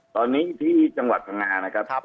ตอนนี้ที่จังหวัดทะงา